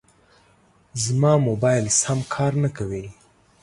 زما موبایل سم کار نه کوي.